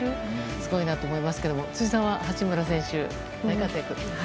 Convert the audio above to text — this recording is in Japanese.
すごいなと思いますけれども辻さんは八村選手大活躍で。